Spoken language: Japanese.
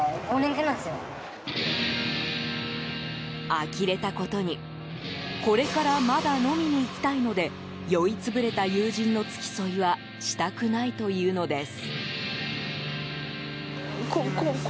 あきれたことにこれからまだ飲みに行きたいので酔い潰れた友人の付き添いはしたくないというのです。